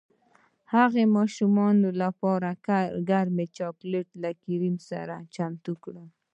هغې د ماشومانو لپاره ګرم چاکلیټ له کریم سره چمتو کړل